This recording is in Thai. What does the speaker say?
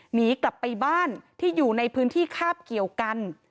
หนีกลับไปบ้านที่อยู่ในพื้นที่คาบเกี่ยวกัน